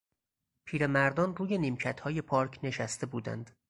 پیرمردان روی نیمکتهای پارک نشسته بودند.